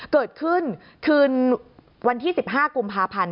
เกิดขึ้นคืนวันที่๑๕กุมภาพันธ์